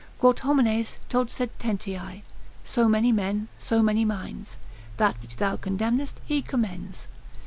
Quot homines, tot sententiae, so many men, so many minds: that which thou condemnest he commends.